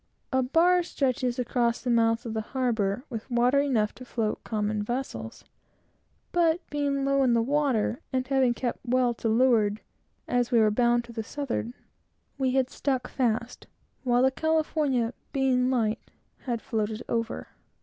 A bar stretches across the mouth of the harbor, with water enough to float common vessels, but, being low in the water, and having kept well to leeward, as we were bound to the southward, we had stuck fast, while the California, being light, had floated over.